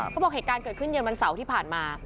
เหตุการณ์เกิดขึ้นเย็นวันเสาร์ที่ผ่านมา